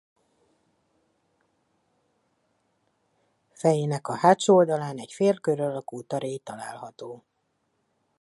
Fejének hátsó oldalán egy félkör alakú taréj található.